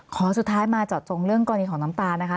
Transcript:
สุดท้ายมาเจาะจงเรื่องกรณีของน้ำตาลนะคะ